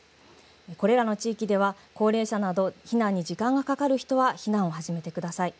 これらの地域では高齢者など避難に時間がかかる人は避難を始めてください。